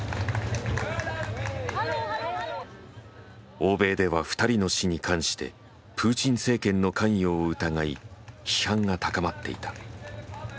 欧米では２人の死に関してプーチン政権の関与を疑い批判が高まっていた。